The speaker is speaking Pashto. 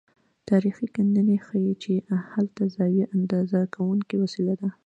تاریخي کیندنې ښيي چې هلته زاویه اندازه کوونکې وسیله وه.